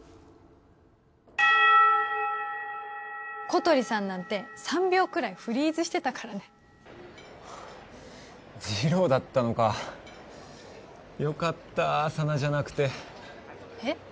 小鳥さんなんて３秒くらいフリーズしてたからね次郎だったのかよかった佐奈じゃなくてえっ？